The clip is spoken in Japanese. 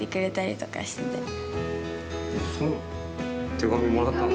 手紙もらったの？